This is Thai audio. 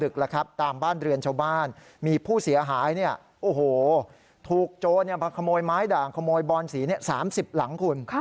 ขโมยไม้ด่างขโมยบอนสี๓๐หลังคุณ